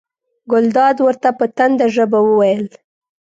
ګلداد ورته په تنده ژبه وویل.